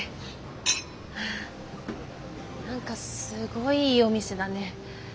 何かすごいいいお店だね。